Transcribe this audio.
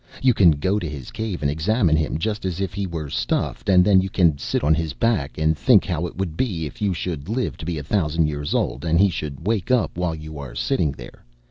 You can go to his cave and examine him just as if he were stuffed, and then you can sit on his back and think how it would be if you should live to be a thousand years old, and he should wake up while you are sitting there.